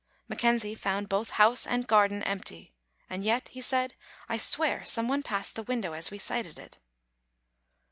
McKenzie found both house and garden empty. " And yet," he said, " I swear some one passed the win dow as we sighted it."